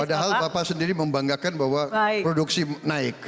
padahal bapak sendiri membanggakan bahwa produksi naik